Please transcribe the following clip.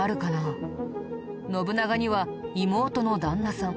信長には妹の旦那さん